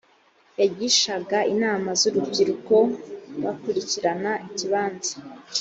yagishaga inama z’uburyo bakurikirana ikibanza